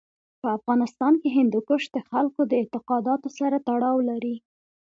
په افغانستان کې هندوکش د خلکو د اعتقاداتو سره تړاو لري.